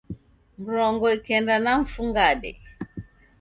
Mrongo ikenda na mfungade